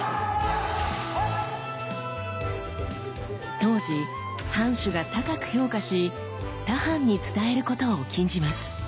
当時藩主が高く評価し他藩に伝えることを禁じます。